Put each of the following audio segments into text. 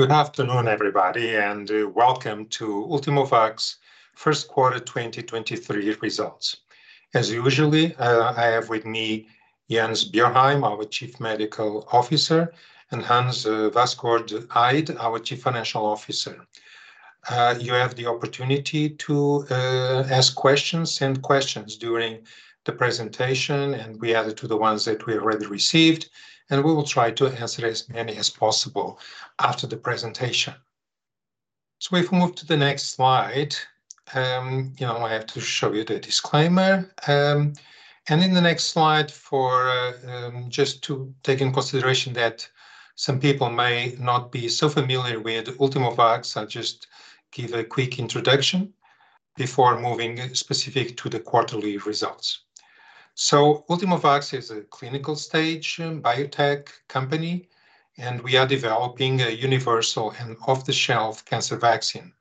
Good afternoon, everybody, welcome to Ultimovacs first quarter 2023 results. As usually, I have with me Jens Bjørheim, our chief medical officer, and Hans Vassgård Eid, our chief financial officer. You have the opportunity to ask questions, send questions during the presentation, and we add it to the ones that we already received, and we will try to answer as many as possible after the presentation. We've moved to the next slide. you know, I have to show you the disclaimer. In the next slide for, just to take in consideration that some people may not be so familiar with Ultimovacs, I'll just give a quick introduction before moving specific to the quarterly results. Ultimovacs is a clinical stage biotech company, and we are developing a universal and off-the-shelf cancer vaccine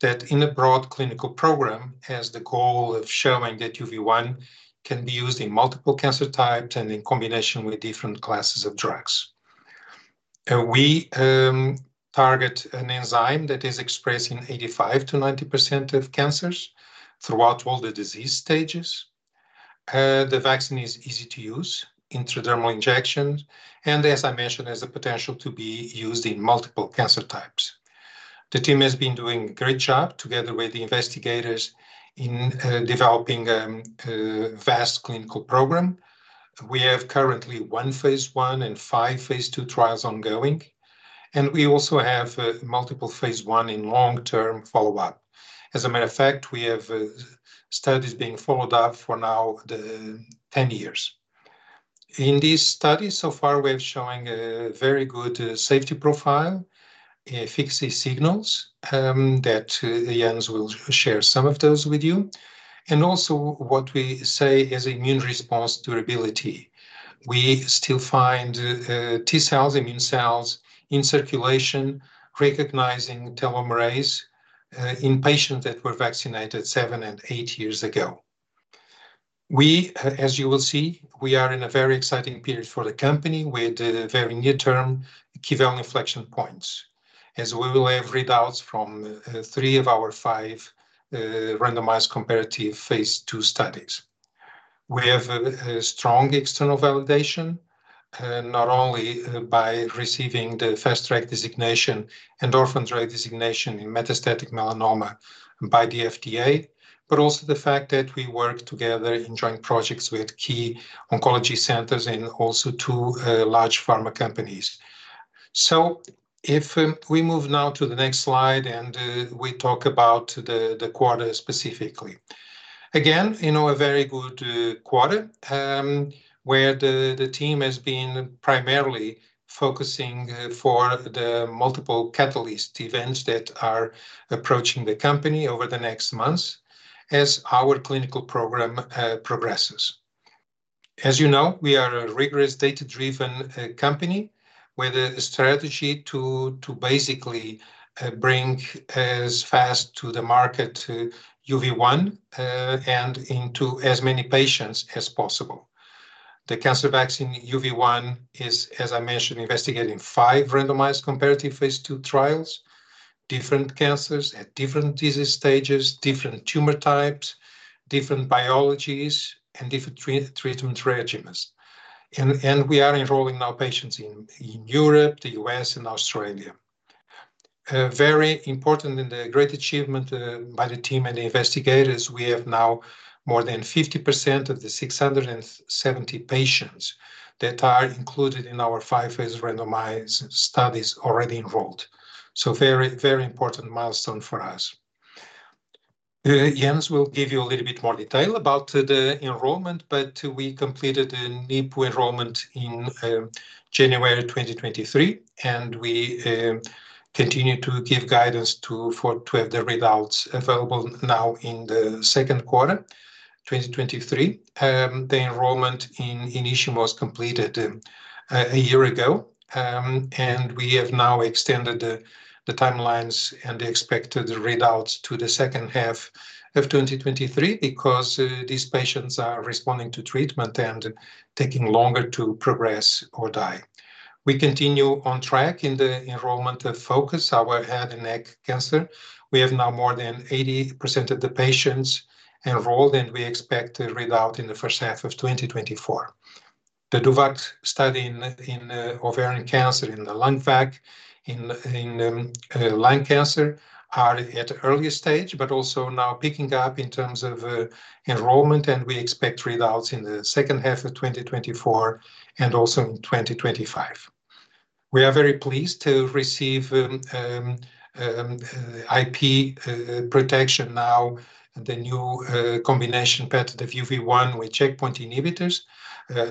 that in a broad clinical program has the goal of showing that UV1 can be used in multiple cancer types and in combination with different classes of drugs. We target an enzyme that is expressed in 85%-90% of cancers throughout all the disease stages. The vaccine is easy to use, intradermal injection, and as I mentioned, has the potential to be used in multiple cancer types. The team has been doing a great job together with the investigators in developing a vast clinical program. We have currently 1 phase II and 5 phase II trials ongoing, and we also have multiple phase I in long-term follow-up. As a matter of fact, we have studies being followed up for now the 10 years. In this study, so far we're showing a very good safety profile, efficacy signals that Jens will share some of those with you, and also what we say is immune response durability. We still find T-cells, immune cells in circulation recognizing telomerase, in patients that were vaccinated seven and eight years ago. As you will see, we are in a very exciting period for the company with a very near-term key inflection points, as we will have readouts from three of our five randomized comparative phase II studies. We have a strong external validation, not only by receiving the Fast Track Designation and Orphan Drug Designation in metastatic melanoma by the FDA, but also the fact that we work together in joint projects with key oncology centers and also two large pharma companies. w to the next slide, and we talk about the quarter specifically. Again, you know, a very good quarter, where the team has been primarily focusing for the multiple catalyst events that are approaching the company over the next months as our clinical program progresses. As you know, we are a rigorous data-driven company with a strategy to basically bring as fast to the market UV1 and into as many patients as possible. The cancer vaccine UV1 is, as I mentioned, investigating 5 randomized comparative phase II trials, different cancers at different disease stages, different tumor types, different biologies, and different treatment regimens. And we are enrolling now patients in Europe, the U.S., and Australia. A very important and a great achievement by the team and the investigators, we have now more than 50% of the 670 patients that are included in our five phase randomized studies already enrolled. Very, very important milestone for us. Jens will give you a little bit more detail about the enrollment, but we completed a NIPU enrollment in January 2023, and we continue to give guidance to have the readouts available now in the second quarter 2023. The enrollment in INITIUM was completed a year ago, and we have now extended the timelines and the expected readouts to the second half of 2023 because these patients are responding to treatment and taking longer to progress or die. We continue on track in the enrollment of FOCUS, our head and neck cancer. We have now more than 80% of the patients enrolled, and we expect a readout in the first half of 2024. The DOVACC study in ovarian cancer and the LUNGVAC in lung cancer are at early stage but also now picking up in terms of enrollment, and we expect readouts in the second half of 2024 and also in 2025. We are very pleased to receive IP protection now, the new combination patent of UV1 with checkpoint inhibitors,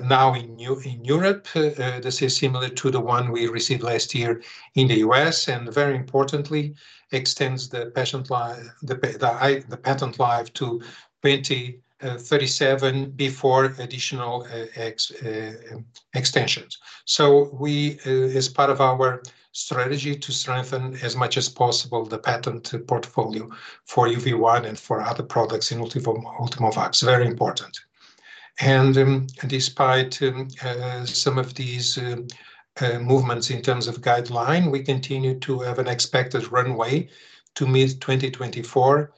now in Europe. This is similar to the one we received last year in the US, and very importantly, extends the patent life to 2037 before additional extensions. We, as part of our strategy to strengthen as much as possible the patent portfolio for UV1 and for other products in Ultimovacs, very important. Despite some of these movements in terms of guideline, we continue to have an expected runway to meet 2024.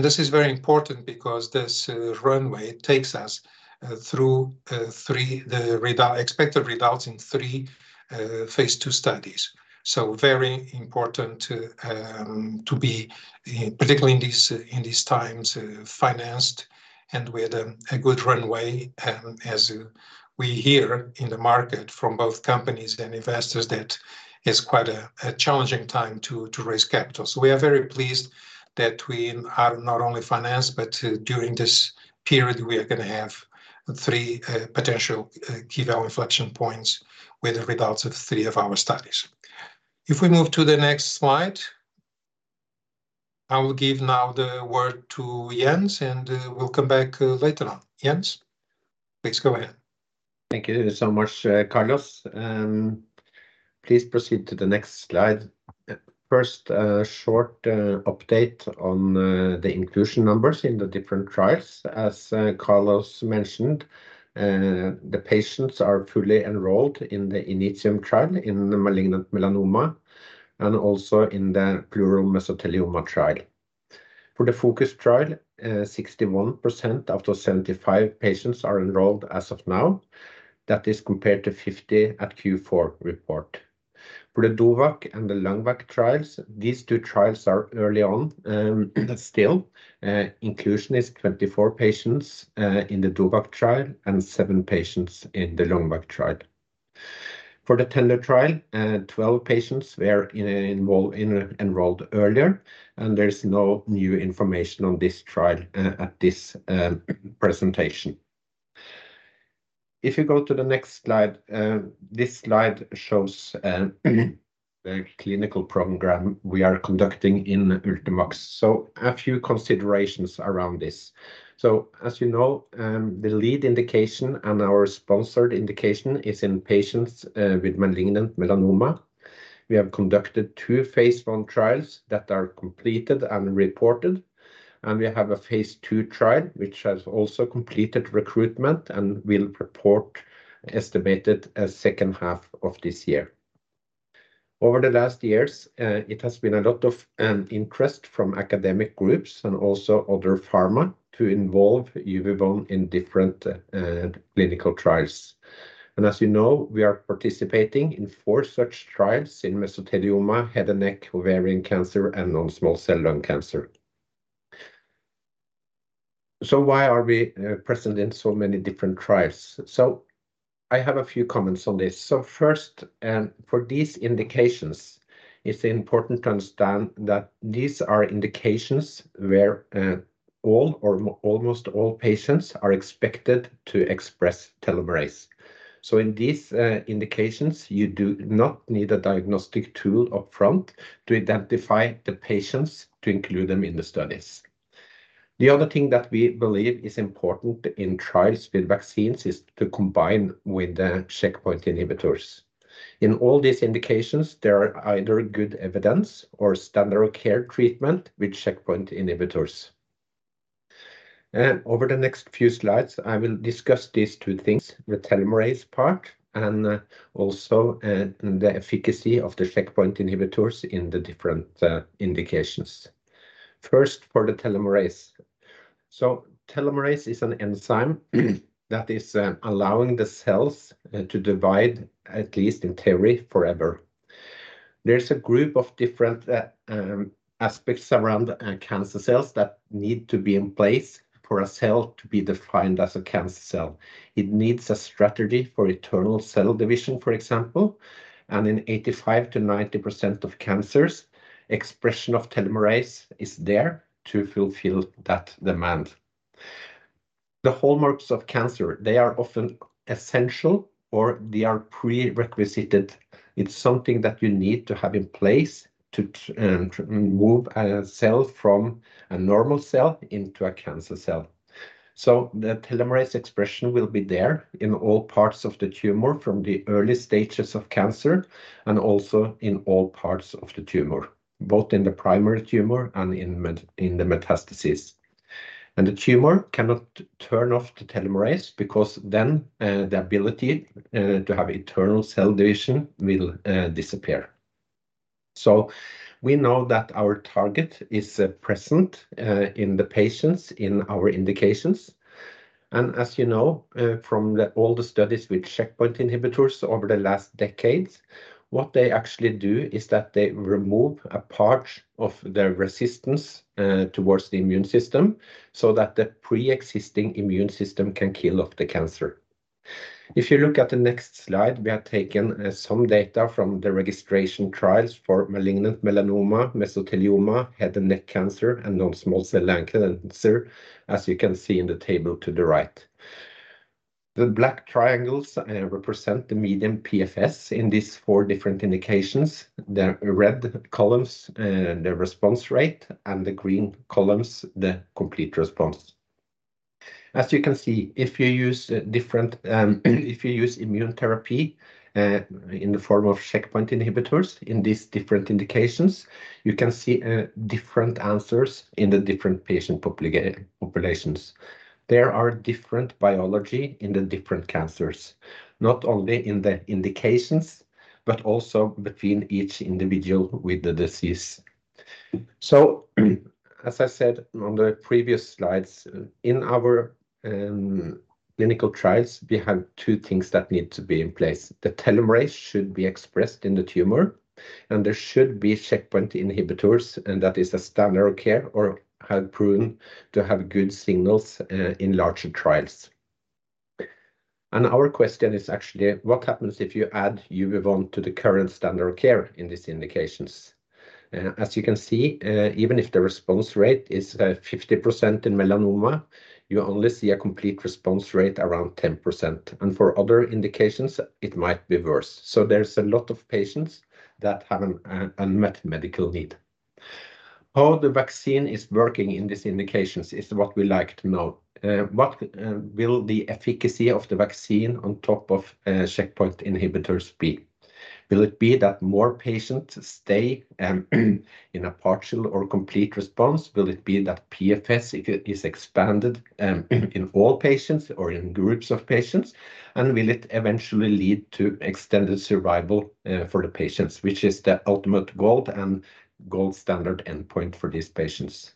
This is very important because this runway takes us through 3 expected results in 3 phase II studies. Very important to to be particularly in these, in these times, financed and with a good runway, as we hear in the market from both companies and investors that is quite a challenging time to to raise capital. We are very pleased that we are not only financed, but during this period, we are gonna have three potential key inflection points with the results of three of our studies. If we move to the next slide, I will give now the word to Jens, and we'll come back later on. Jens, please go ahead. Thank you so much, Carlos. Please proceed to the next slide. First, a short update on the inclusion numbers in the different trials. As Carlos mentioned, the patients are fully enrolled in the INITIUM trial in malignant melanoma and also in the pleural mesothelioma trial. For the FOCUS trial, 61% of those 75 patients are enrolled as of now. That is compared to 50 at Q4 report. For the DOVACC and the LUNGVAC trials, these two trials are early on still. Inclusion is 24 patients in the DOVACC trial and 7 patients in the LUNGVAC trial. For the TENDU trial, 12 patients were enrolled earlier, and there's no new information on this trial at this presentation. If you go to the next slide, this slide shows the clinical program we are conducting in Ultimovacs. A few considerations around this. As you know, the lead indication and our sponsored indication is in patients with malignant melanoma. We have conducted 2 phase I trials that are completed and reported, and we have a phase II trial, which has also completed recruitment and will report estimated as second half of this year. Over the last years, it has been a lot of interest from academic groups and also other pharma to involve UV1 in different clinical trials. As you know, we are participating in 4 such trials in mesothelioma, head and neck, ovarian cancer, and non-small cell lung cancer. Why are we present in so many different trials? I have a few comments on this. First, and for these indications, it's important to understand that these are indications where almost all patients are expected to express telomerase. In these indications, you do not need a diagnostic tool upfront to identify the patients to include them in the studies. The other thing that we believe is important in trials with vaccines is to combine with the checkpoint inhibitors. In all these indications, there are either good evidence or standard of care treatment with checkpoint inhibitors. Over the next few slides, I will discuss these two things, the telomerase part and also the efficacy of the checkpoint inhibitors in the different indications. First, for the telomerase. Telomerase is an enzyme that is allowing the cells to divide, at least in theory, forever. There's a group of different aspects around the cancer cells that need to be in place for a cell to be defined as a cancer cell. It needs a strategy for eternal cell division, for example. In 85% to 90% of cancers, expression of telomerase is there to fulfill that demand. The hallmarks of cancer, they are often essential, or they are pre-requisited. It's something that you need to have in place to move a cell from a normal cell into a cancer cell. The telomerase expression will be there in all parts of the tumor from the early stages of cancer and also in all parts of the tumor, both in the primary tumor and in the metastasis. The tumor cannot turn off the telomerase because then the ability to have eternal cell division will disappear. We know that our target is present in the patients in our indications. As you know, from the all the studies with checkpoint inhibitors over the last decades, what they actually do is that they remove a part of the resistance towards the immune system so that the preexisting immune system can kill off the cancer. If you look at the next slide, we have taken some data from the registration trials for malignant melanoma, mesothelioma, head and neck cancer, and non-small cell lung cancer, as you can see in the table to the right. The black triangles represent the median PFS in these 4 different indications, the red columns the response rate, and the green columns, the complete response. As you can see, if you use different, if you use immune therapy in the form of checkpoint inhibitors in these different indications, you can see different answers in the different patient populations. There are different biology in the different cancers, not only in the indications, but also between each individual with the disease. As I said on the previous slides, in our clinical trials, we have 2 things that need to be in place. The telomerase should be expressed in the tumor, and there should be checkpoint inhibitors, and that is a standard of care or have proven to have good signals in larger trials. Our question is actually what happens if you add UV1 to the current standard of care in these indications? As you can see, even if the response rate is 50% in melanoma, you only see a complete response rate around 10%, and for other indications it might be worse. There's a lot of patients that have an unmet medical need. How the vaccine is working in these indications is what we like to know. What will the efficacy of the vaccine on top of checkpoint inhibitors be? Will it be that more patients stay in a partial or complete response? Will it be that PFS is expanded in all patients or in groups of patients? Will it eventually lead to extended survival for the patients, which is the ultimate goal and gold standard endpoint for these patients.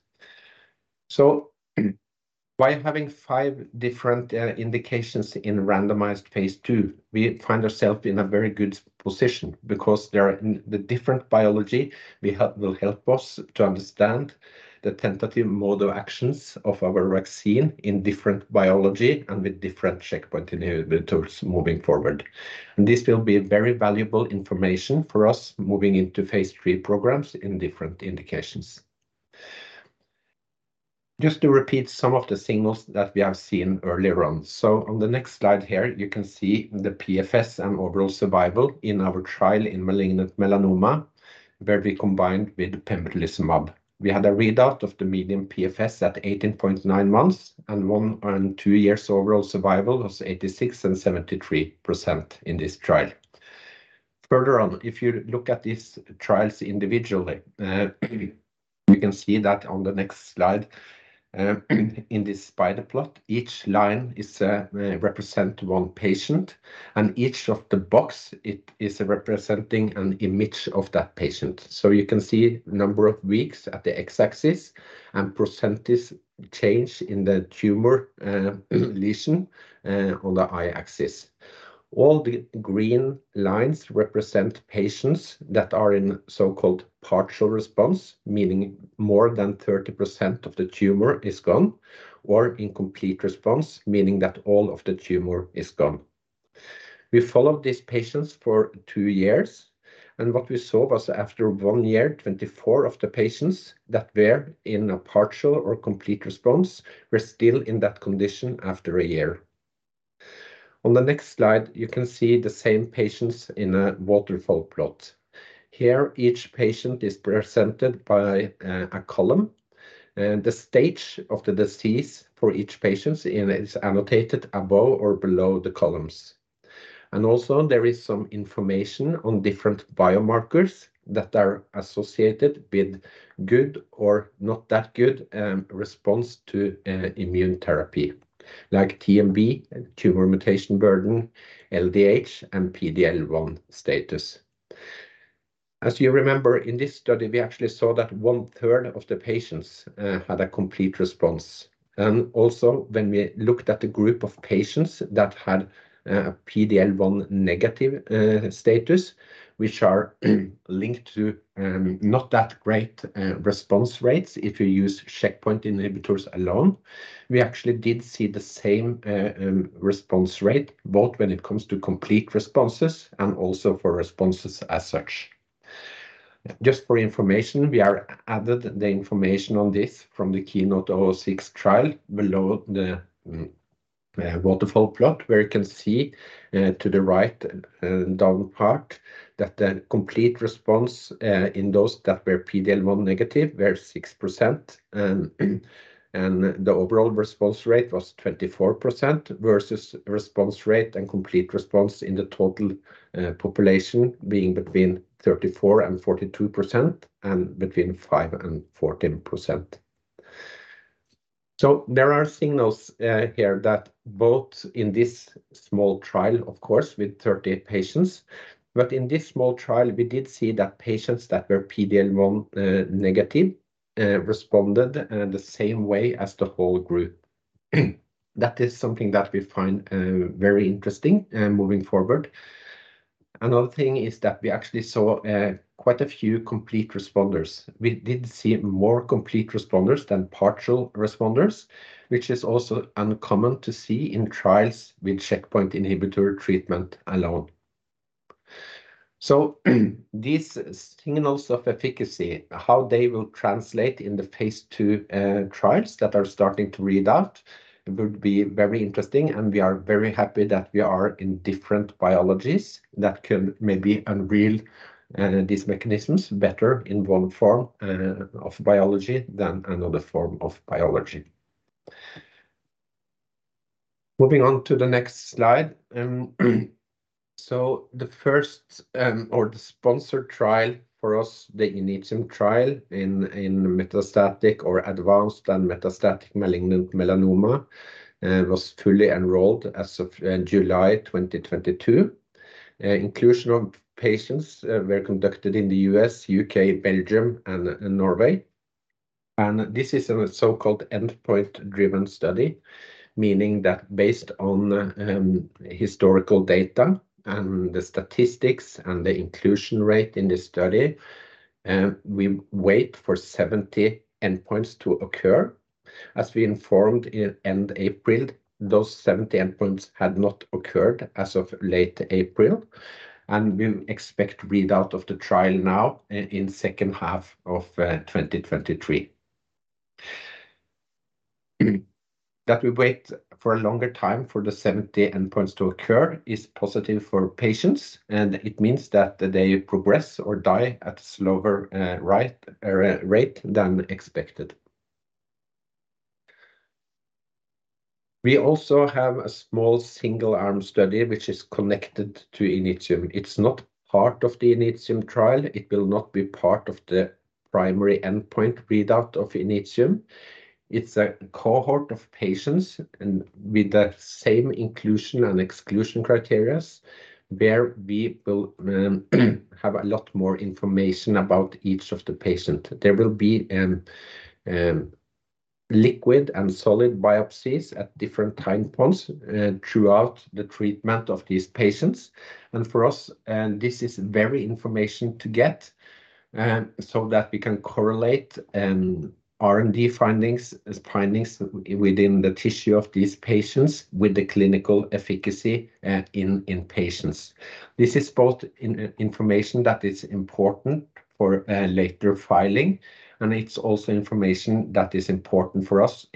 By having five different indications in randomized phase II, we find ourselves in a very good position because the different biology will help us to understand the tentative mode of actions of our vaccine in different biology and with different checkpoint inhibitors moving forward. This will be very valuable information for us moving into phase III programs in different indications. Just to repeat some of the signals that we have seen earlier on. On the next slide here, you can see the PFS and overall survival in our trial in malignant melanoma, where we combined with pembrolizumab. We had a readout of the median PFS at 18.9 months and 1 and 2 years overall survival was 86% and 73% in this trial. Further on, if you look at these trials individually, you can see that on the next slide, in this spider plot, each line is represent 1 patient and each of the box it is representing an image of that patient. You can see number of weeks at the X-axis and percentage change in the tumor lesion on the Y-axis. All the green lines represent patients that are in so-called partial response, meaning more than 30% of the tumor is gone or in complete response, meaning that all of the tumor is gone. We followed these patients for 2 years. What we saw was after 1 year, 24 of the patients that were in a partial or complete response were still in that condition after 1 year. On the next slide, you can see the same patients in a waterfall plot. Here, each patient is presented by a column. The stage of the disease for each patient is annotated above or below the columns. Also there is some information on different biomarkers that are associated with good or not that good response to immune therapy like TMB, tumor mutational burden, LDH and PD-L1 status. As you remember in this study, we actually saw that 1/3 of the patients had a complete response. When we looked at the group of patients that had PD-L1 negative status, which are linked to not that great response rates if you use checkpoint inhibitors alone, we actually did see the same response rate, both when it comes to complete responses and also for responses as such. Just for information, we are added the information on this from the KEYNOTE-006 trial below the waterfall plot, where you can see to the right down part that the complete response in those that were PD-L1 negative were 6% and the overall response rate was 24% versus response rate and complete response in the total population being between 34% and 42% and between 5% and 14%. There are signals here that both in this small trial of course with 30 patients, but in this small trial, we did see that patients that were PD-L1 negative responded the same way as the whole group. That is something that we find very interesting moving forward. Another thing is that we actually saw quite a few complete responders. We did see more complete responders than partial responders, which is also uncommon to see in trials with checkpoint inhibitor treatment alone. These signals of efficacy, how they will translate in the phase II trials that are starting to read out would be very interesting, and we are very happy that we are in different biologies that can maybe unveil these mechanisms better in one form of biology than another form of biology. Moving on to the next slide. The first, or the sponsor trial for us, the INITIUM trial in metastatic or advanced and metastatic malignant melanoma, was fully enrolled as of July 2022. Inclusion of patients were conducted in the U.S., U.K., Belgium and Norway. This is a so-called endpoint-driven study, meaning that based on historical data and the statistics and the inclusion rate in the study, we wait for 70 endpoints to occur. As we informed in end April, those 70 endpoints had not occurred as of late April, we expect readout of the trial now in second half of 2023. That we wait for a longer time for the 70 endpoints to occur is positive for patients, it means that they progress or die at slower rate than expected. We also have a small single arm study which is connected to Initium. It's not part of the Initium trial. It will not be part of the primary endpoint readout of Initium. It's a cohort of patients and with the same inclusion and exclusion criterias, where we will have a lot more information about each of the patient. There will be liquid and solid biopsies at different time points throughout the treatment of these patients. For us, and this is very information to get, so that we can correlate R&D findings within the tissue of these patients with the clinical efficacy in patients. This is both information that is important for later filing, and it's also information that is important for us,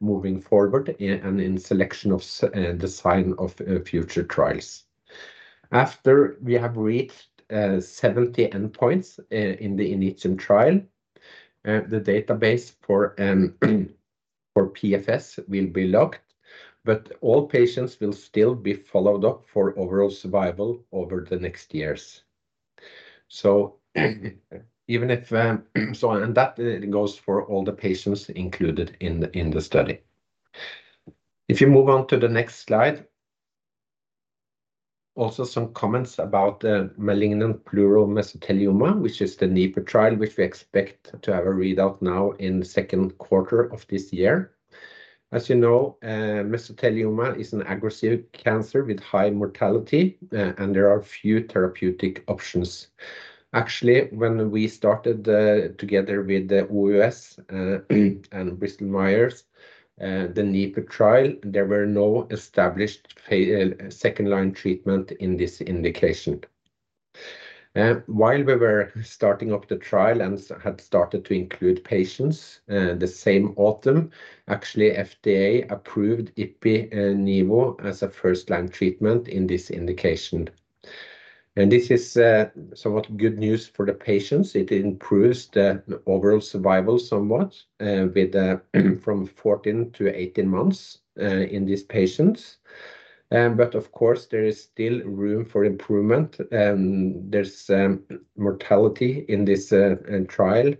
moving forward and in selection of design of future trials. After we have reached 70 endpoints in the INITIUM trial, the database for PFS will be locked, but all patients will still be followed up for overall survival over the next years. Even if, and that goes for all the patients included in the study. You move on to the next slide. Some comments about the malignant pleural mesothelioma, which is the NIPU trial, which we expect to have a readout now in 2Q of this year. You know, mesothelioma is an aggressive cancer with high mortality, and there are few therapeutic options. When we started, together with the OUS and Bristol Myers, the NIPU trial, there were no established second line treatment in this indication. While we were starting up the trial and had started to include patients, the same autumn, actually FDA approved Ipi-Nivo as a first line treatment in this indication. This is somewhat good news for the patients. It improves the overall survival somewhat, with from 14 to 18 months in these patients. Of course there is still room for improvement, there's mortality in this trial.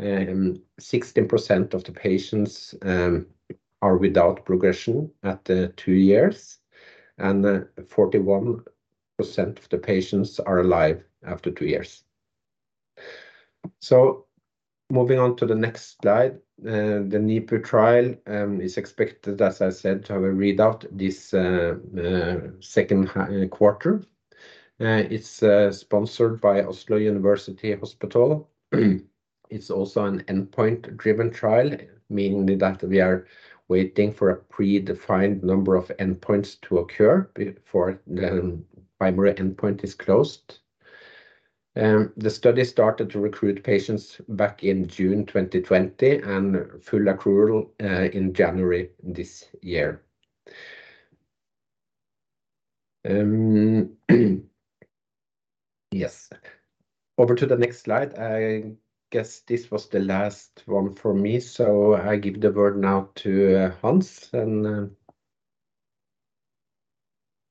16% of the patients are without progression at 2 years, and 41% of the patients are alive after 2 years. Moving on to the next slide. The NIPU trial is expected, as I said, to have a readout this second quarter. It's sponsored by Oslo University Hospital. It's also an endpoint-driven trial, meaning that we are waiting for a predefined number of endpoints to occur for the primary endpoint is closed. The study started to recruit patients back in June 2020 and full accrual in January this year. Yes. Over to the next slide. I guess this was the last one for me, so I give the word now to Hans.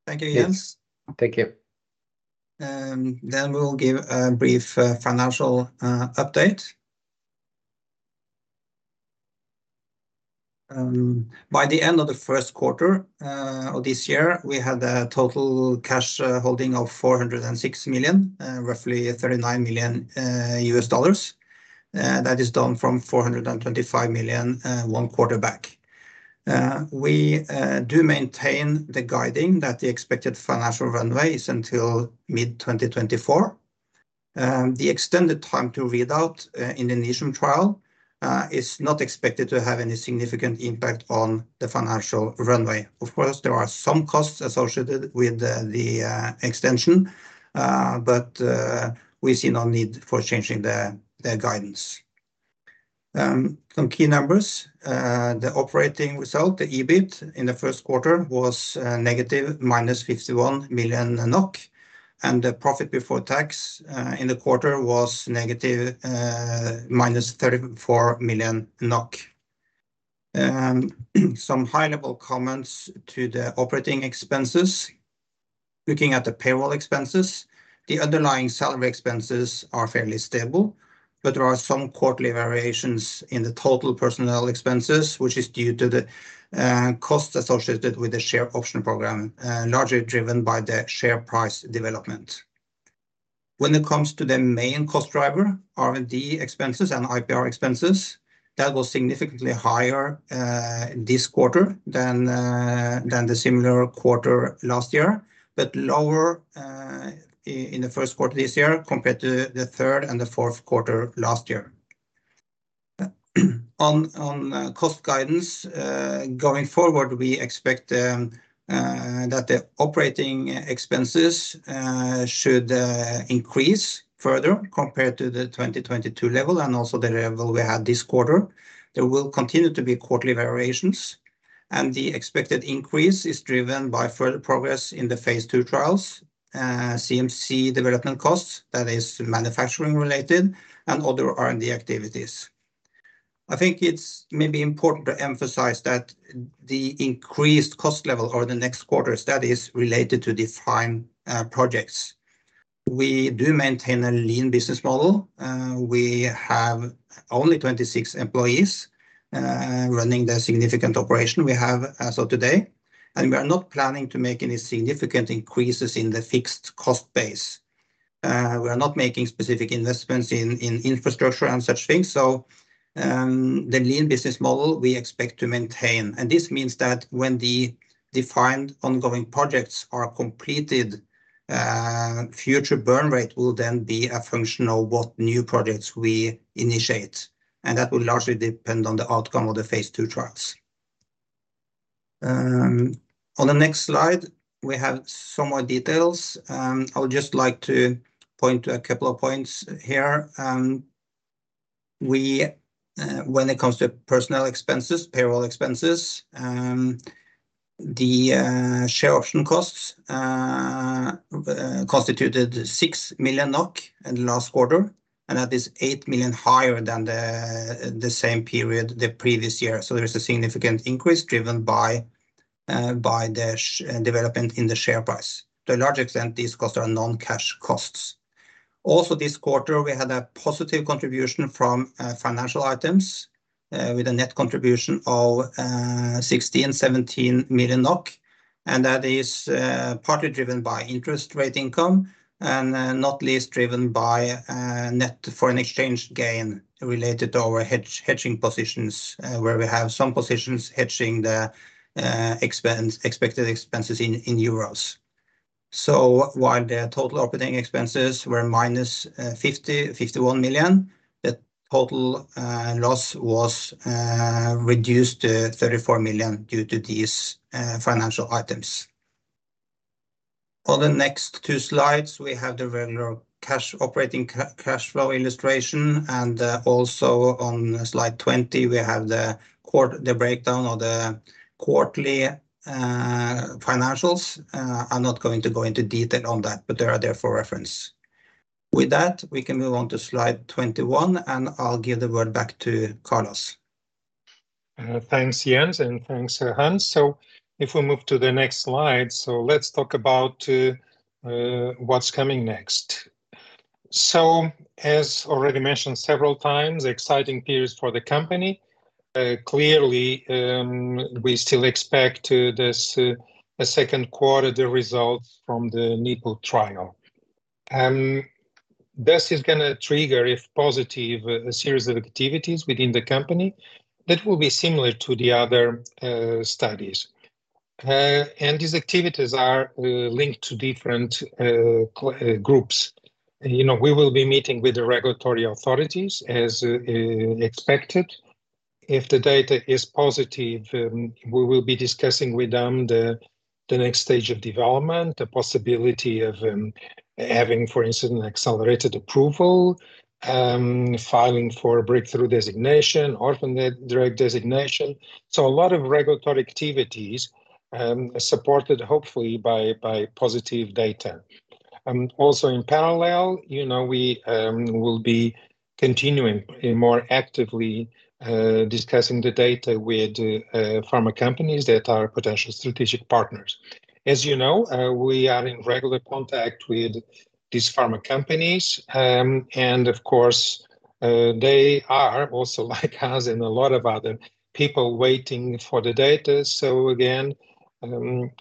Thank you, Jens. Yes. Thank you. We'll give a brief financial update. By the end of the 1st quarter of this year, we had a total cash holding of 406 million, roughly $39 million. That is down from 425 million 1 quarter back. We do maintain the guiding that the expected financial runway is until mid-2024. The extended time to read out in the INITIUM trial is not expected to have any significant impact on the financial runway. Of course, there are some costs associated with the extension, we see no need for changing the guidance. Some key numbers. The operating result, the EBIT, in the first quarter was negative 51 million NOK, and the profit before tax in the quarter was negative 34 million NOK. Some high-level comments to the operating expenses. Looking at the payroll expenses, the underlying salary expenses are fairly stable, but there are some quarterly variations in the total personnel expenses, which is due to the cost associated with the share option program, largely driven by the share price development. When it comes to the main cost driver, R&D expenses and IPR expenses, that was significantly higher this quarter than the similar quarter last year, but lower in the first quarter this year compared to the third and fourth quarter last year. On cost guidance, going forward, we expect that the operating expenses should increase further compared to the 2022 level and also the level we had this quarter. There will continue to be quarterly variations. The expected increase is driven by further progress in the phase II trials, CMC development costs, that is manufacturing-related, and other R&D activities. I think it's maybe important to emphasize that the increased cost level or the next quarters that is related to defined projects. We do maintain a lean business model. We have only 26 employees, running the significant operation we have as of today. We are not planning to make any significant increases in the fixed cost base. We are not making specific investments in infrastructure and such things, the lean business model we expect to maintain. This means that when the defined ongoing projects are completed, future burn rate will then be a function of what new projects we initiate, that will largely depend on the outcome of the phase II trials. On the next slide we have some more details. I would just like to point a couple of points here. We, when it comes to personnel expenses, payroll expenses, the share option costs constituted 6 million NOK in the last quarter, and that is 8 million higher than the same period the previous year. There is a significant increase driven by development in the share price. To a large extent, these costs are non-cash costs. This quarter, we had a positive contribution from financial items, with a net contribution of 16 million-17 million NOK. That is partly driven by interest rate income and not least driven by net foreign exchange gain related to our hedging positions, where we have some positions hedging the expected expenses in euros. While the total operating expenses were minus 50 million-51 million, the total loss was reduced to 34 million due to these financial items. On the next 2 slides, we have the regular cash operating cash flow illustration. Also on slide 20 we have the breakdown of the quarterly financials. I'm not going to go into detail on that, but they are there for reference. With that, we can move on to slide 21, and I'll give the word back to Carlos. Thanks, Jens, and thanks, Hans. If we move to the next slide, let's talk about what's coming next. As already mentioned several times, exciting period for the company. Clearly, we still expect this second quarter, the results from the NIPU trial. This is gonna trigger, if positive, a series of activities within the company that will be similar to the other studies. These activities are linked to different groups. You know, we will be meeting with the regulatory authorities as expected. If the data is positive, we will be discussing with them the next stage of development, the possibility of having, for instance, an accelerated approval, filing for a Breakthrough Designation, Orphan Drug Designation. A lot of regulatory activities, supported hopefully by positive data. Also in parallel, you know, we will be continuing more actively discussing the data with pharma companies that are potential strategic partners. As you know, we are in regular contact with these pharma companies. And of course, they are also like us and a lot of other people waiting for the data. Again,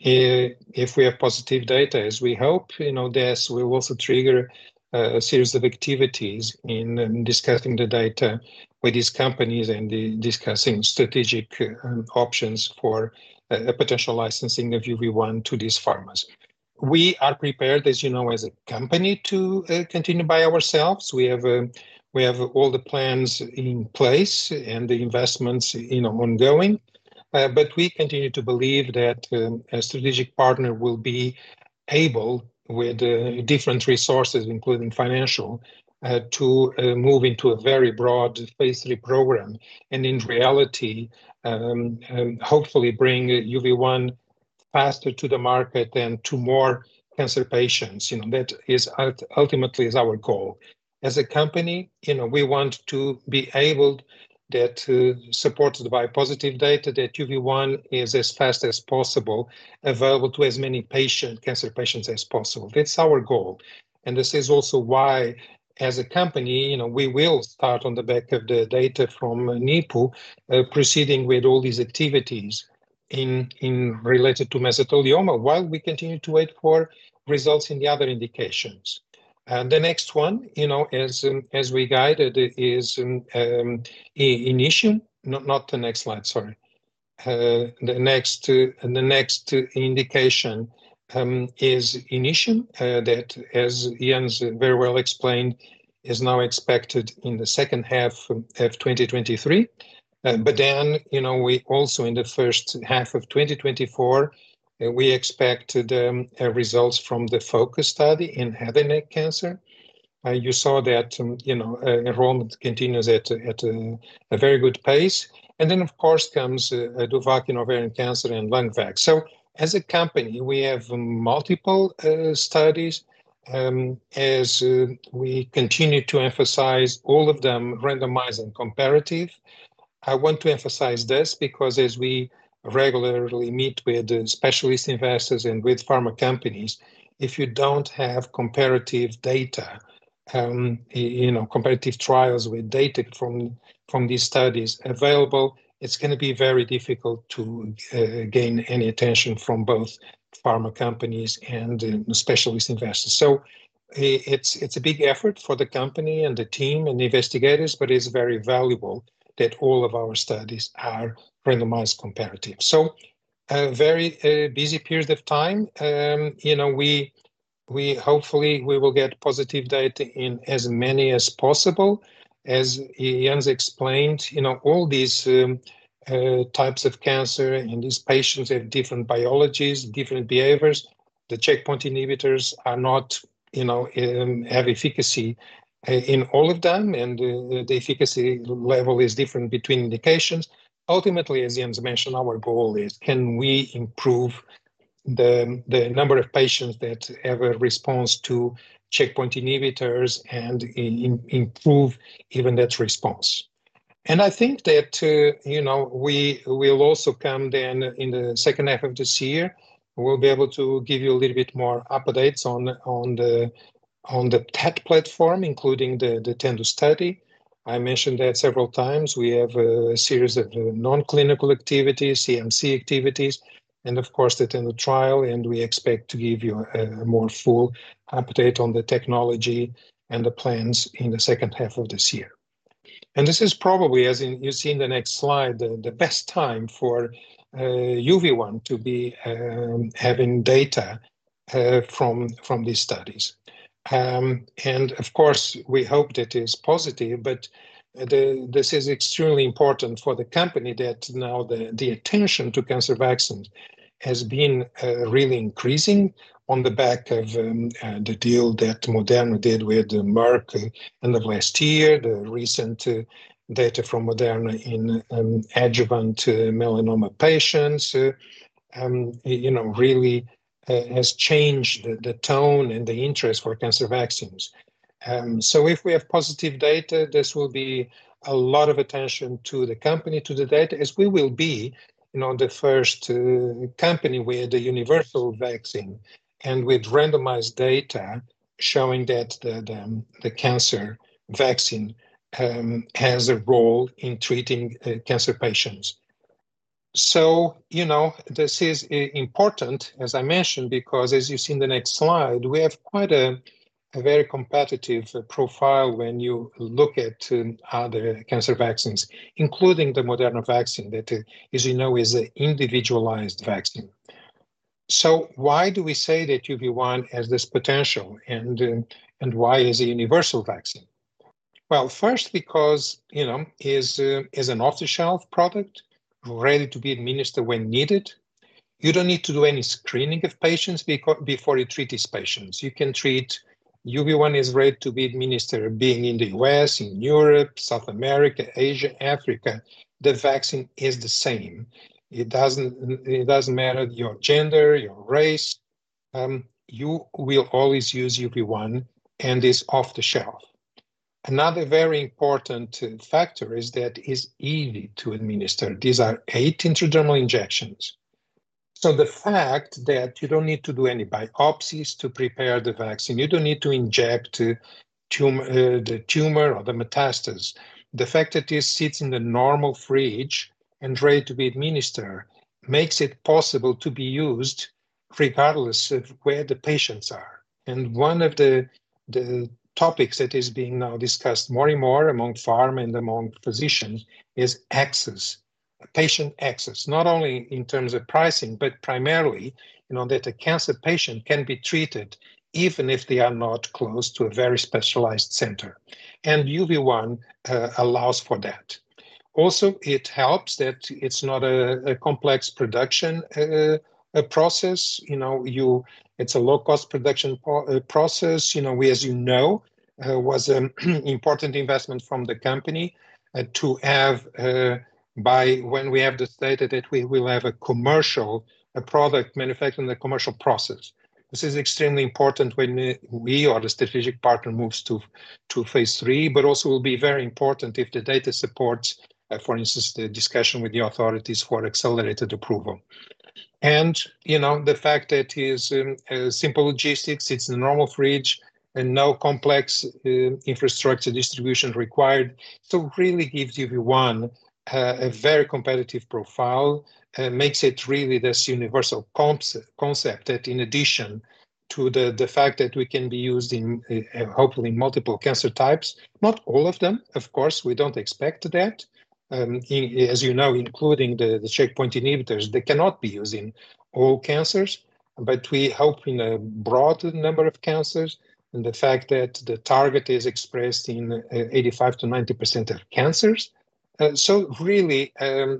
if we have positive data as we hope, you know, this will also trigger a series of activities in discussing the data with these companies and discussing strategic options for a potential licensing of UV1 to these pharmas. We are prepared, as you know, as a company to continue by ourselves. We have all the plans in place and the investments, you know, ongoing. We continue to believe that a strategic partner will be able, with different resources, including financial, to move into a very broad phase III program, and in reality, hopefully bring UV1 faster to the market and to more cancer patients, you know? That is ultimately our goal. As a company, you know, we want to be able that, supported by positive data, that UV1 is as fast as possible available to as many cancer patients as possible. That's our goal, this is also why, as a company, you know, we will start on the back of the data from NIPU, proceeding with all these activities related to mesothelioma while we continue to wait for results in the other indications. The next one, you know, as we guided is INITIUM. Not the next slide, sorry. The next indication is INITIUM that, as Jens very well explained, is now expected in the second half of 2023. We also in the first half of 2024, we expect the results from the FOCUS study in head and neck cancer. You saw that, you know, enrollment continues at a very good pace. Of course comes DOVACC in ovarian cancer and LUNGVAC. As a company, we have multiple studies, as we continue to emphasize all of them randomized and comparative. I want to emphasize this because as we regularly meet with the specialist investors and with pharma companies, if you don't have comparative data, you know, comparative trials with data from these studies available, it's gonna be very difficult to gain any attention from both pharma companies and the specialist investors. It's a big effort for the company and the team and the investigators, but it's very valuable that all of our studies are randomized comparative. A very busy period of time. You know, we hopefully we will get positive data in as many as possible. As Jens explained, you know, all these types of cancer and these patients have different biologies, different behaviors. The checkpoint inhibitors are not, you know, have efficacy in all of them, and the efficacy level is different between indications. Ultimately, as Jens mentioned, our goal is can we improve the number of patients that have a response to checkpoint inhibitors and improve even that response. I think that, you know, we will also come then in the second half of this year, we'll be able to give you a little bit more updates on the, on the TET platform, including the TENDU study. I mentioned that several times. We have a series of non-clinical activities, CMC activities, and of course the TENDU trial. We expect to give you a more full update on the technology and the plans in the second half of this year. This is probably, as in you see in the next slide, the best time for UV1 to be having data from these studies. d of course we hope that it's positive, but this is extremely important for the company that now the attention to cancer vaccine has been really increasing on the back of the deal that Moderna did with Merck end of last year, the recent data from Moderna in adjuvant melanoma patients, you know, really has changed the tone and the interest for cancer vaccines. If we have positive data, this will be a lot of attention to the company, to the data, as we will be, you know, the first company with a universal vaccine and with randomized data showing that the cancer vaccine has a role in treating cancer patients. You know, this is important, as I mentioned, because as you see in the next slide, we have quite a very competitive profile when you look at other cancer vaccines, including the Moderna vaccine that, as you know, is a individualized vaccine. Why do we say that UV1 has this potential, and why is a universal vaccine? Well, first, because, you know, is an off-the-shelf product ready to be administered when needed. You don't need to do any screening of patients before you treat these patients. You can treat. UV1 is ready to be administered being in the U.S., in Europe, South America, Asia, Africa. The vaccine is the same. It doesn't matter your gender, your race, you will always use UV1, and it's off the shelf. Another very important factor is that it's easy to administer. These are 8 intradermal injections, so the fact that you don't need to do any biopsies to prepare the vaccine, you don't need to inject the tumor or the metastasis. The fact that this sits in the normal fridge and ready to be administered makes it possible to be used regardless of where the patients are. One of the topics that is being now discussed more and more among pharm and among physicians is access, patient access, not only in terms of pricing, but primarily, you know, that a cancer patient can be treated even if they are not close to a very specialized center, and UV1 allows for that. Also, it helps that it's not a complex production process. You know, It's a low-cost production process. You know, we as you know, was important investment from the company, to have by when we have the data that we will have a commercial, a product manufactured in the commercial process. This is extremely important when we or the strategic partner moves to phase III, but also will be very important if the data supports, for instance, the discussion with the authorities for accelerated approval. You know, the fact that it's simple logistics, it's the normal fridge and no complex infrastructure distribution required. really gives UV1 a very competitive profile. makes it really this universal concept that in addition to the fact that we can be used in hopefully multiple cancer types. Not all of them, of course, we don't expect that. As you know, including the checkpoint inhibitors, they cannot be used in all cancers. We hope in a broad number of cancers and the fact that the target is expressed in 85%-90% of cancers. Really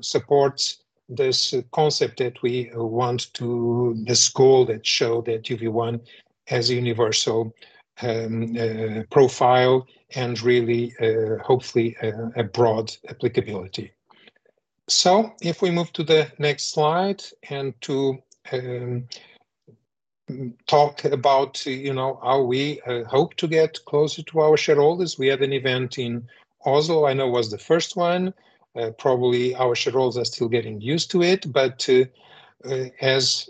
supports this concept that we want to this goal that show that UV1 has universal profile and really, hopefully, a broad applicability. If we move to the next slide and to talk about, you know, how we hope to get closer to our shareholders. We had an event in Oslo, I know was the first one. Probably our shareholders are still getting used to it, as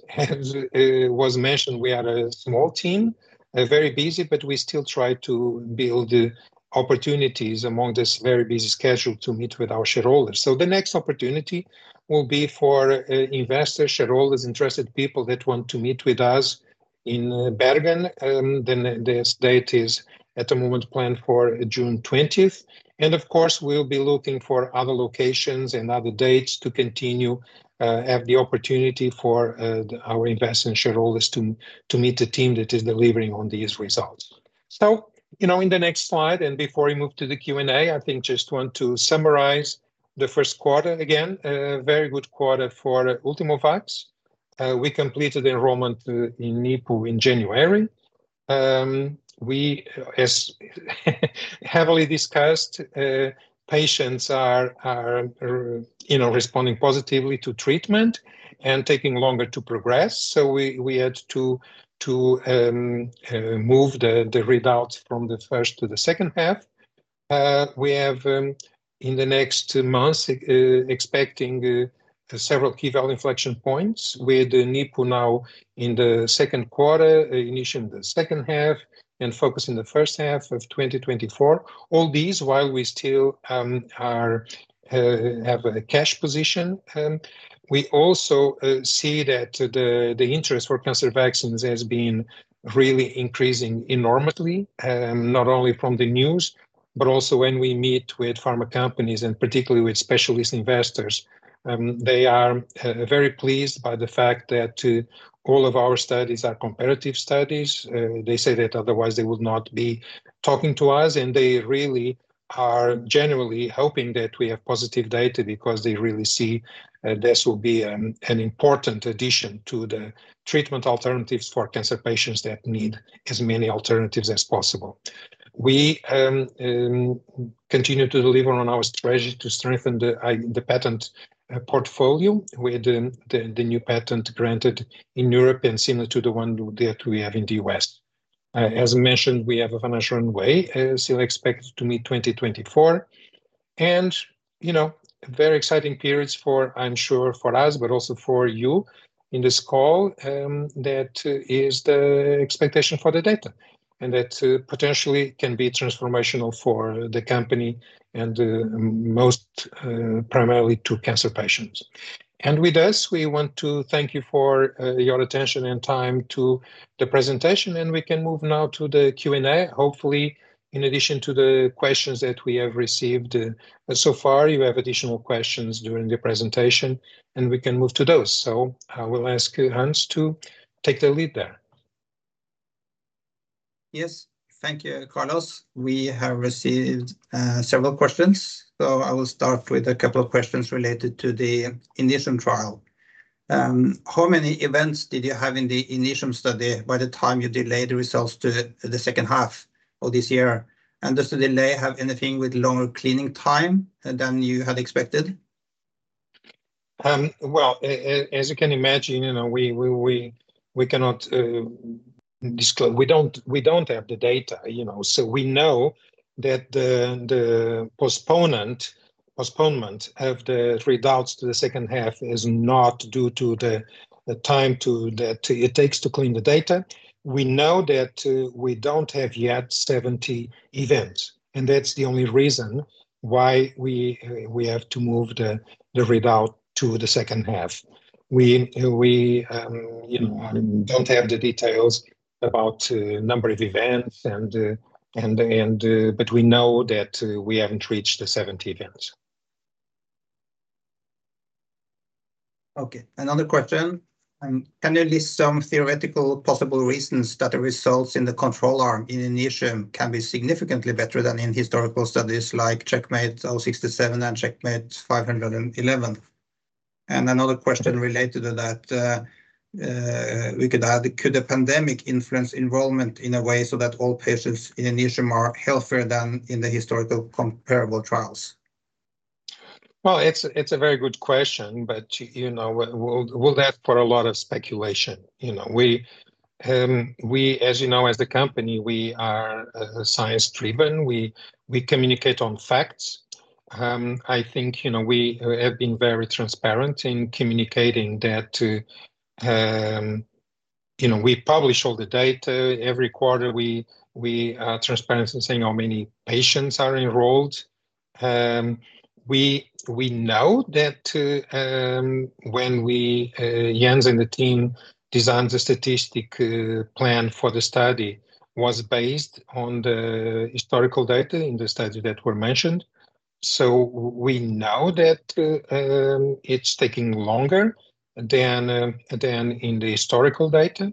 was mentioned, we are a small team, very busy, we still try to build opportunities among this very busy schedule to meet with our shareholders. The next opportunity will be for investors, shareholders, interested people that want to meet with us in Bergen. The date is at the moment planned for June 20th. Of course, we'll be looking for other locations and other dates to continue have the opportunity for our investors and shareholders to meet the team that is delivering on these results. You know, in the next slide, and before we move to the Q&A, I think just want to summarize the first quarter. Again, a very good quarter for Ultimovacs. We completed enrollment in NIPU in January. We heavily discussed, patients are, you know, responding positively to treatment and taking longer to progress. We had to move the readouts from the first to the second half. We have in the next months expecting several key value inflection points with NIPU now in the second quarter, INITIUM the second half, and FOCUS in the first half of 2024. All these while we still have a cash position. We also see that the interest for cancer vaccines has been really increasing enormously, not only from the news, but also when we meet with pharma companies and particularly with specialist investors. They are very pleased by the fact that all of our studies are comparative studies. They say that otherwise they would not be talking to us, and they really are genuinely hoping that we have positive data because they really see this will be an important addition to the treatment alternatives for cancer patients that need as many alternatives as possible. We continue to deliver on our strategy to strengthen the patent portfolio with the new patent granted in Europe and similar to the one that we have in the U.S. As mentioned, we have a financial runway still expected to meet 2024. You know, very exciting periods for, I'm sure for us, but also for you in this call. That is the expectation for the data. That potentially can be transformational for the company and most primarily to cancer patients. With this, we want to thank you for your attention and time to the presentation, and we can move now to the Q&A. Hopefully, in addition to the questions that we have received so far, you have additional questions during the presentation, and we can move to those. I will ask Hans to take the lead there. Yes. Thank you, Carlos. We have received several questions, so I will start with a couple of questions related to the INITIUM trial. How many events did you have in the INITIUM study by the time you delayed the results to the second half of this year? Does the delay have anything with longer cleaning time than you had expected? Well, as you can imagine, you know, we cannot. We don't, we don't have the data, you know. We know that the postponement of the readouts to the second half is not due to that it takes to clean the data. We know that we don't have yet 70 events, and that's the only reason why we have to move the readout to the second half. We, you know, don't have the details about number of events. We know that we haven't reached the 70 events. Okay. Another question. Can you list some theoretical possible reasons that the results in the control arm in INITIUM can be significantly better than in historical studies like CheckMate 067 and CheckMate 511? Another question related to that, we could add, could a pandemic influence enrollment in a way so that all patients in INITIUM are healthier than in the historical comparable trials? Well, it's a very good question. You know, we'll ask for a lot of speculation. You know, as you know, as the company, we are science-driven. We, we communicate on facts. I think, you know, we have been very transparent in communicating that. You know, we publish all the data every quarter. We, we are transparent in saying how many patients are enrolled. We, we know that when we, Jens and the team designed the statistic plan for the study was based on the historical data in the study that were mentioned. We know that it's taking longer than than in the historical data.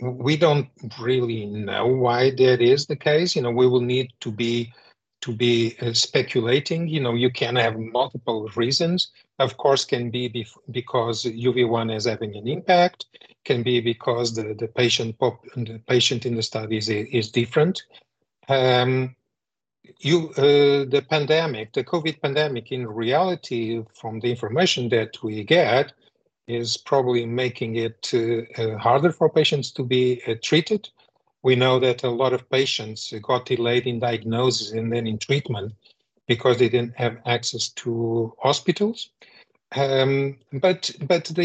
We don't really know why that is the case. You know, we will need to be speculating. You know, you can have multiple reasons. Of course, can be because UV1 is having an impact, can be because the patient in the studies is different. The pandemic, the COVID pandemic, in reality, from the information that we get, is probably making it harder for patients to be treated. We know that a lot of patients got delayed in diagnosis and then in treatment because they didn't have access to hospitals. The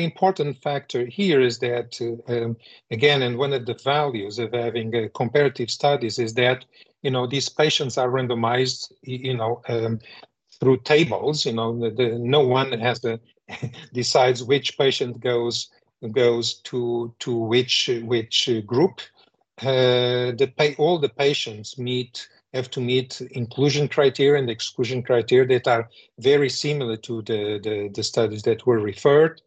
important factor here is that again, one of the values of having a comparative studies is that, you know, these patients are randomized in through tables. You know, no one decides which patient goes to which group. All the patients have to meet inclusion criteria and exclusion criteria that are very similar to the studies that were referred.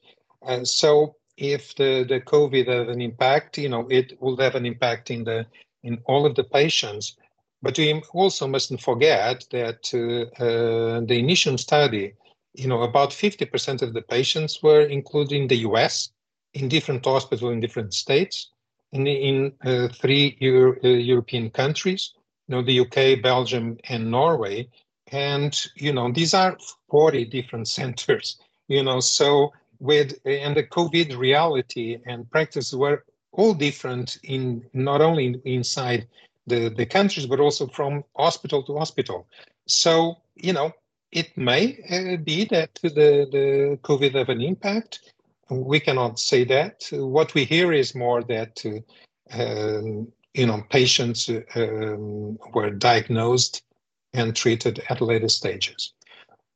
If the COVID have an impact, you know, it will have an impact in all of the patients. We also mustn't forget that the INITIUM study, you know, about 50% of the patients were included in the U.S. in different hospital in different states, in 3 European countries. You know, the U.K., Belgium, and Norway. You know, these are 40 different centers, you know. The COVID reality and practice were all different in not only inside the countries but also from hospital to hospital. You know, it may be that the COVID have an impact. We cannot say that. What we hear is more that, you know, patients were diagnosed and treated at later stages.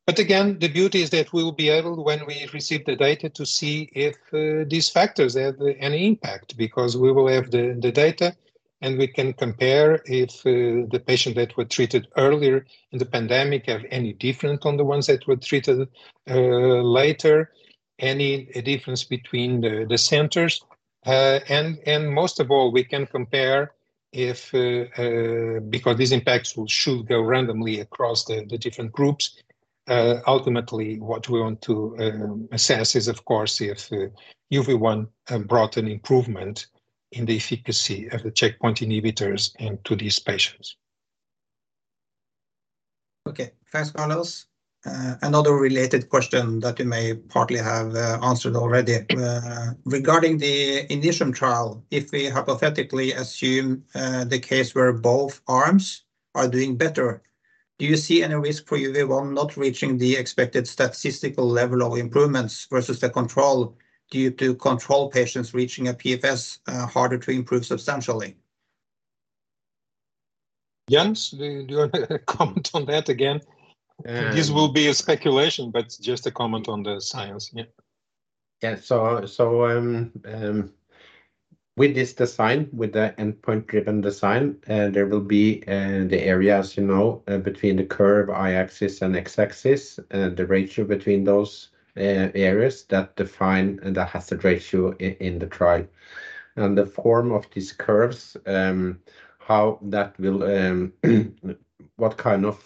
Again, the beauty is that we will be able, when we receive the data, to see if these factors have any impact because we will have the data, and we can compare if the patient that were treated earlier in the pandemic have any different on the ones that were treated later, any difference between the centers. Most of all, we can compare if. Because these impacts should go randomly across the different groups. Ultimately, what we want to assess is, of course, if UV1 brought an improvement in the efficacy of the checkpoint inhibitors into these patients. Okay. Thanks, Carlos. Another related question that you may partly have answered already. Regarding the INITIUM trial, if we hypothetically assume the case where both arms are doing better, do you see any risk for UV1 not reaching the expected statistical level of improvements versus the control due to control patients reaching a PFS harder to improve substantially? Jens, do you wanna comment on that again? Uh- This will be a speculation but just a comment on the science. Yeah. Yeah. With this design, with the endpoint-driven design, there will be the areas, you know, between the curve axis and x-axis, the ratio between those areas that define the hazard ratio in the trial. The form of these curves, how that will, what kind of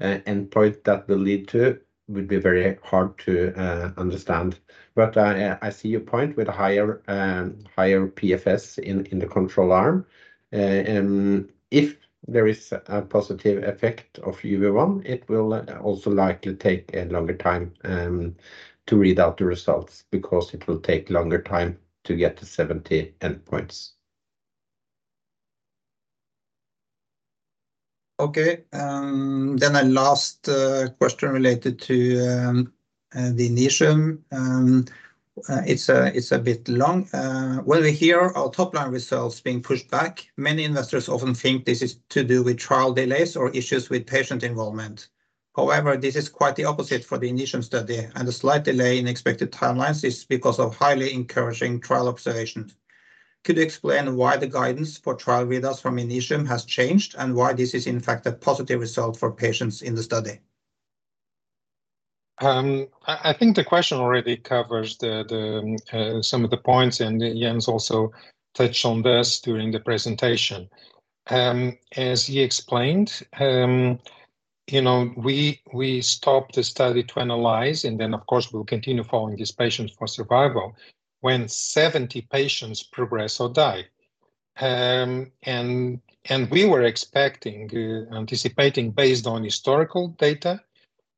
endpoint that will lead to would be very hard to understand. I see your point with higher PFS in the control arm. If there is a positive effect of UV1, it will also likely take a longer time to read out the results because it will take longer time to get the 70 endpoints. Okay. A last question related to the INITIUM. It's a, it's a bit long. When we hear our top-line results being pushed back, many investors often think this is to do with trial delays or issues with patient enrollment. However, this is quite the opposite for the INITIUM study, and a slight delay in expected timelines is because of highly encouraging trial observations. Could you explain why the guidance for trial readouts from INITIUM has changed and why this is in fact a positive result for patients in the study? I think the question already covers the some of the points, and Jens also touched on this during the presentation. As he explained, you know, we stopped the study to analyze, and then of course, we'll continue following these patients for survival when 70 patients progress or die. We were expecting, anticipating based on historical data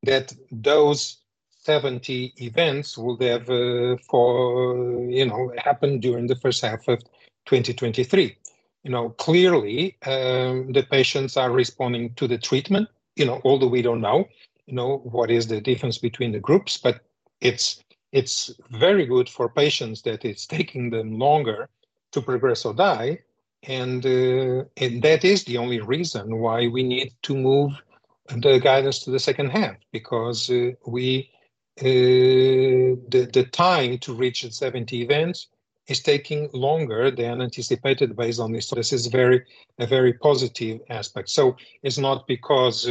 that those 70 events would have, you know, happen during the first half of 2023. You know, clearly, the patients are responding to the treatment, you know, although we don't know, you know, what is the difference between the groups. It's very good for patients that it's taking them longer to progress or die and that is the only reason why we need to move the guidance to the second half because the time to reach the 70 events is taking longer than anticipated based on this. This is a very positive aspect. It's not because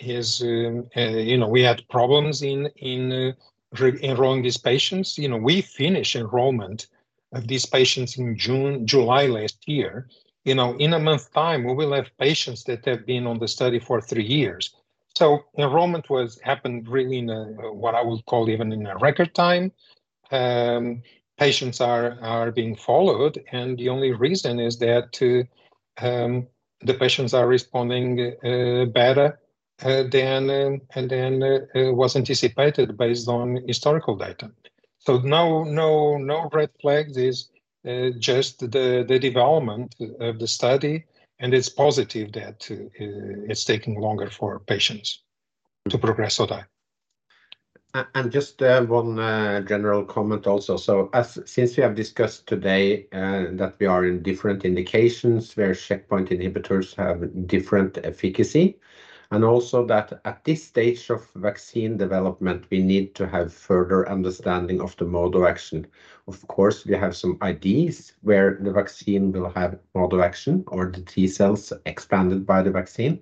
Jens, you know, we had problems in enrolling these patients. You know, we finished enrollment of these patients in June... July last year. You know, in a month time, we will have patients that have been on the study for 3 years. Enrollment happened really in a, what I would call even in a record time. Patients are being followed. The only reason is that the patients are responding better than was anticipated based on historical data. No red flags. It's just the development of the study. It's positive that it's taking longer for patients to progress or die. Just one general comment also. Since we have discussed today that we are in different indications where checkpoint inhibitors have different efficacy, and also that at this stage of vaccine development, we need to have further understanding of the mode of action. Of course, we have some ideas where the vaccine will have mode of action or the T-cells expanded by the vaccine.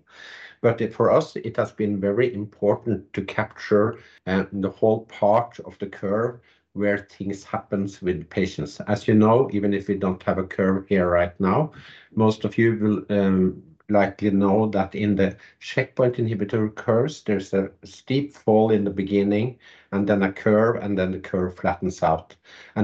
For us, it has been very important to capture the whole part of the curve where things happens with patients. As you know, even if we don't have a curve here right now, most of you will likely know that in the checkpoint inhibitor curves, there's a steep fall in the beginning and then a curve, and then the curve flattens out.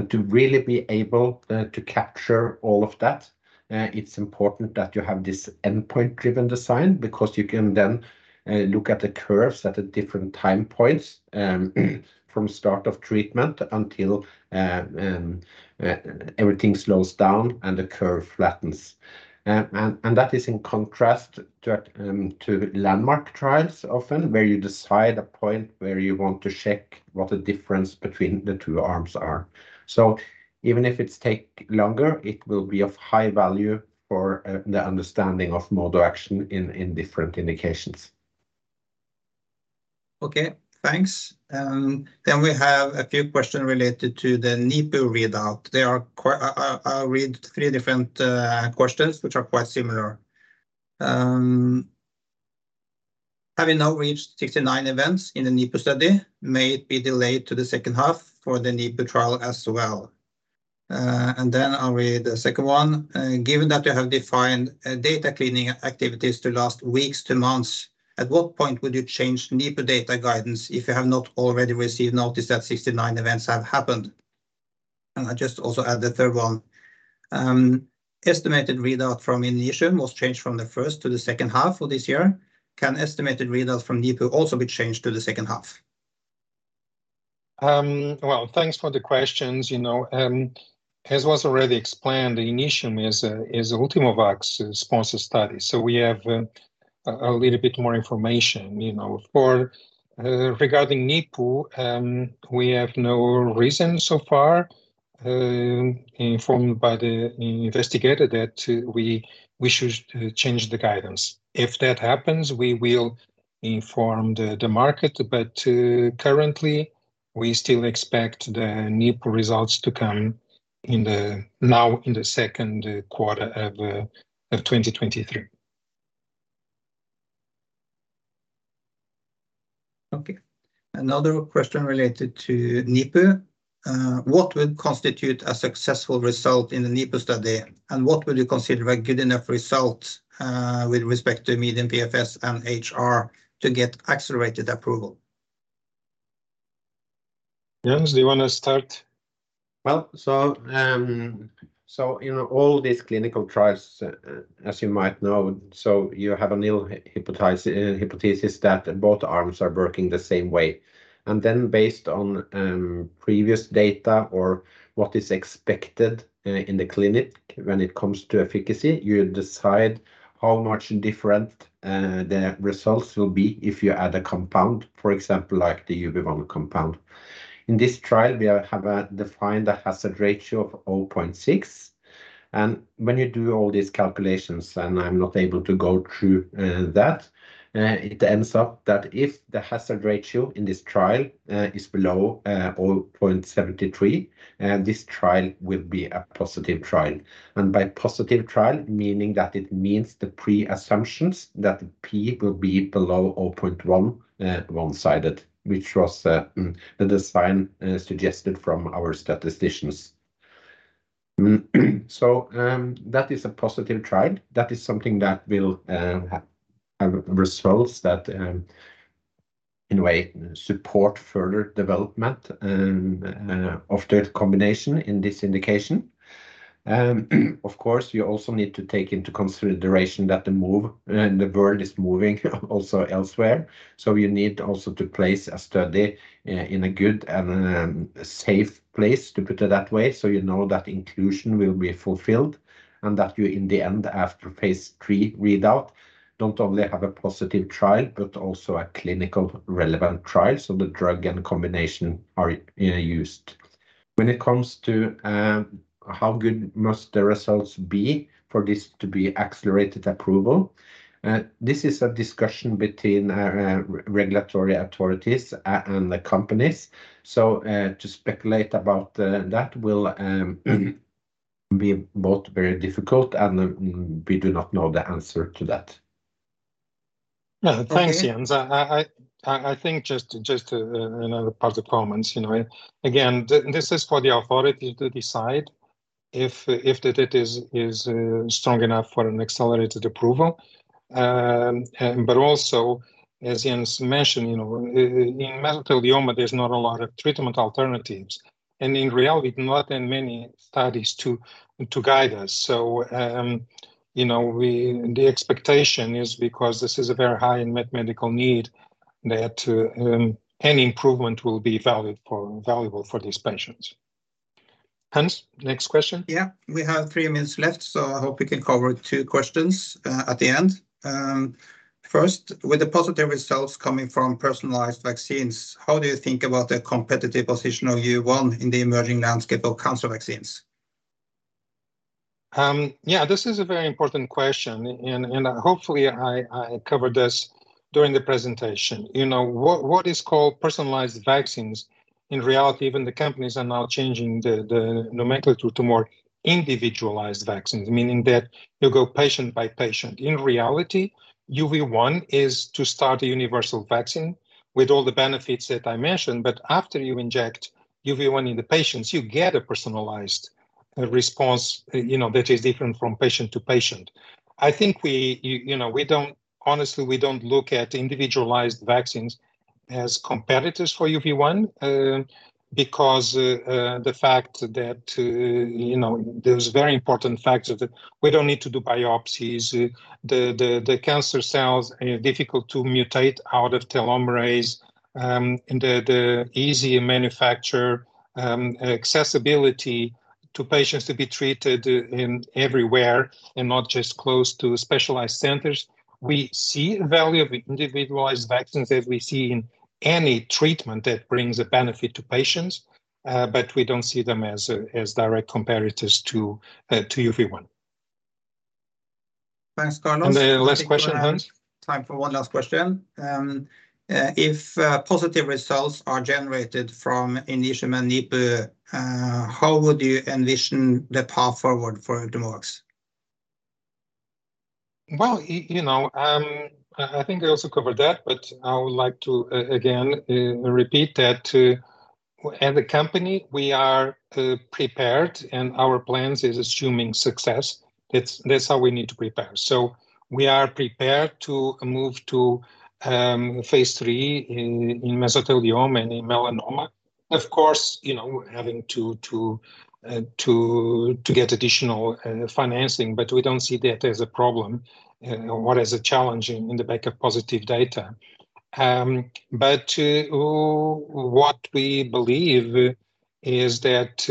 To really be able to capture all of that, it's important that you have this endpoint-driven design because you can then look at the curves at the different time points from start of treatment until everything slows down and the curve flattens. That is in contrast to landmark trials often where you decide a point where you want to check what the difference between the two arms are. Even if it's take longer, it will be of high value for the understanding of mode of action in different indications. Okay, thanks. We have a few question related to the NIPU readout. I'll read three different questions which are quite similar. Having now reached 69 events in the NIPU study, may it be delayed to the second half for the NIPU trial as well? I'll read the second one. Given that you have defined data cleaning activities to last weeks to months, at what point would you change NIPU data guidance if you have not already received notice that 69 events have happened? I just also add the third one. Estimated readout from INITIUM was changed from the first to the second half of this year. Can estimated readout from NIPU also be changed to the second half? Well, thanks for the questions, you know. As was already explained, the INITIUM is Ultimovacs's sponsor study, so we have a little bit more information, you know. For regarding NIPU, we have no reason so far, informed by the investigator that we should change the guidance. If that happens, we will inform the market. Currently, we still expect the NIPU results to come now in the second quarter of 2023. Okay. Another question related to NIPU. What would constitute a successful result in the NIPU study, and what would you consider a good enough result with respect to median PFS and HR to get accelerated approval? Jens, do you wanna start? Well, you know, all these clinical trials, as you might know, you have a new hypothesis that both arms are working the same way. Based on previous data or what is expected in the clinic when it comes to efficacy, you decide how much different the results will be if you add a compound. For example, like the UV1 compound. In this trial, we have defined a hazard ratio of 0.6. When you do all these calculations, I'm not able to go through that, it ends up that if the hazard ratio in this trial is below 0.73, this trial will be a positive trial. By positive trial, meaning that it means the pre-assumptions that P will be below 0.1, one-sided, which was the design suggested from our statisticians. That is a positive trial. That is something that will have results that, in a way support further development of the combination in this indication. Of course, you also need to take into consideration that the world is moving also elsewhere, you need also to place a study in a good and safe place, to put it that way, so you know that inclusion will be fulfilled and that you, in the end after phase III readout, don't only have a positive trial, but also a clinical relevant trial, so the drug and combination are used. When it comes to, how good must the results be for this to be accelerated approval, this is a discussion between regulatory authorities and the companies. To speculate about that will be both very difficult and we do not know the answer to that. No- Okay thanks, Jens. I think just to, just to, you know, pass the comments. You know, again, this is for the authority to decide if the data is strong enough for an accelerated approval. Also as Jens mentioned, you know, in mesothelioma there's not a lot of treatment alternatives, and in reality not in many studies to guide us. You know, we... the expectation is because this is a very high in medical need there to... any improvement will be valid for, valuable for these patients. Hans, next question. Yeah. We have 3 minutes left, I hope we can cover 2 questions at the end. First, with the positive results coming from personalized vaccines, how do you think about the competitive position of UV1 in the emerging landscape of cancer vaccines? Yeah, this is a very important question. Hopefully I covered this during the presentation. You know, what is called personalized vaccines, in reality even the companies are now changing the nomenclature to more individualized vaccines, meaning that you go patient by patient. In reality, UV1 is to start a universal vaccine with all the benefits that I mentioned. After you inject UV1 in the patients, you get a personalized response, you know, that is different from patient to patient. I think we, you know, we don't, honestly, we don't look at individualized vaccines as competitors for UV1, because the fact that, you know, there's very important facts that we don't need to do biopsies. The cancer cells are difficult to mutate out of telomerase, and the easy manufacture, accessibility to patients to be treated in everywhere and not just close to specialized centers. We see the value of individualized vaccines as we see in any treatment that brings a benefit to patients, but we don't see them as direct competitors to UV1. Thanks, Carlos. The last question, Hans. I think we have time for one last question. If positive results are generated from initial NIPU, how would you envision the path forward for Ultimovacs? Well, you know, I think I also covered that, but I would like to again repeat that as a company, we are prepared and our plans is assuming success. It's that's how we need to prepare. We are prepared to move to phase III in mesothelioma and in melanoma. Of course, you know, having to get additional financing, we don't see that as a problem or as a challenge in the back of positive data. What we believe is that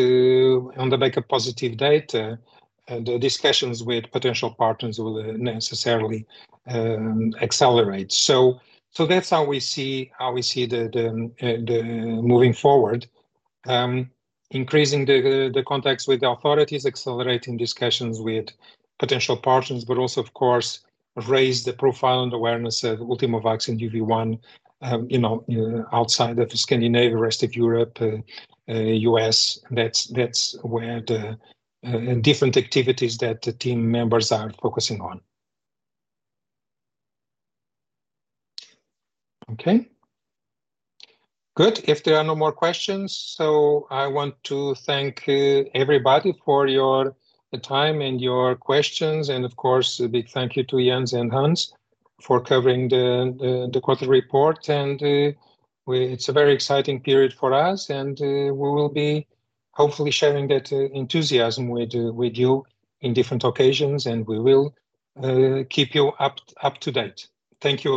on the back of positive data, the discussions with potential partners will necessarily accelerate. That's how we see the moving forward. Increasing the contacts with the authorities, accelerating discussions with potential partners. Also of course raise the profile and awareness of Ultimovacs and UV1, you know, outside of Scandinavia, rest of Europe, US. That's where the different activities that the team members are focusing on. Okay. Good. If there are no more questions, I want to thank everybody for your, the time and your questions. Of course, a big thank you to Jens and Hans for covering the quarter report. It's a very exciting period for us and we will be hopefully sharing that enthusiasm with you in different occasions, and we will keep you up to date. Thank you.